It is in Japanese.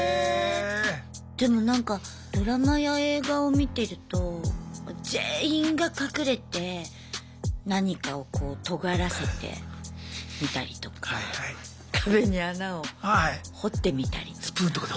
でもなんかドラマや映画を見てると全員が隠れて何かをこうとがらせてみたりとか壁に穴を掘ってみたりとか。